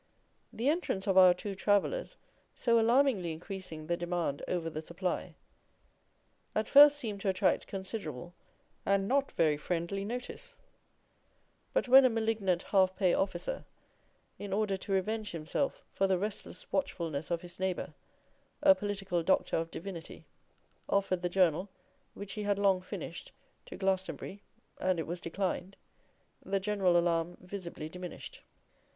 The entrance of our two travellers so alarmingly increasing the demand over the supply, at first seemed to attract considerable and not very friendly notice; but when a malignant half pay officer, in order to revenge himself for the restless watchfulness of his neighbour, a political doctor of divinity, offered the journal, which he had long finished, to Glastonbury, and it was declined, the general alarm visibly diminished.